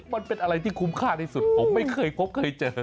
มันเป็นอะไรที่คุ้มค่าที่สุดผมไม่เคยพบเคยเจอ